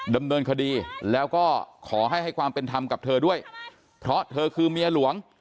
ดำเนินคดีแล้วก็ขอให้ให้ความเป็นธรรมกับเธอด้วยเพราะเธอคือเมียหลวง